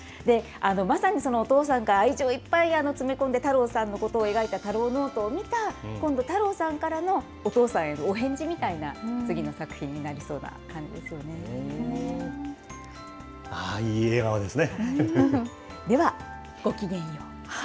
まさにお父さんが愛情をいっぱい詰め込んで、太郎さんのことを描いたたろうノートを見た、今度、太郎さんからのお父さんへのお返事みたいな、次の作品になりそういい笑顔ですね。